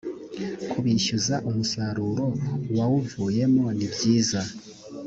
kubishyuza umusaruro wawuvuyemo nibyiza